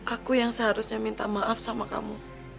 aku yang seharusnya minta maaf sama kamu